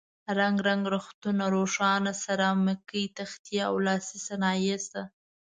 رنګ رنګ رختونه، روښانه سرامیکي تختې او لاسي صنایع شته.